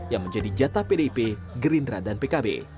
yang menjadi jatah pdip gerindra dan pkb